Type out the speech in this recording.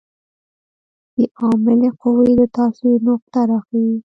د عاملې قوې د تاثیر نقطه راښيي.